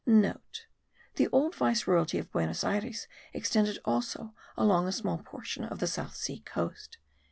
(* The old vice royalty of Buenos Ayres extended also along a small portion of the South Sea coast.)